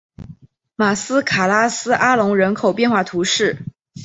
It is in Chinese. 马斯卡拉斯阿龙人口变化图示